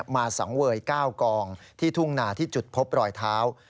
สังเวย๙กองที่ทุ่งนาที่จุดพบรอยเท้า